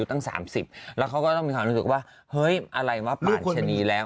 หนึ่งสามสิบแล้วเขาก็มีความรู้สึกว่าไหนว่าป่านเฉริย์นี่แล้ว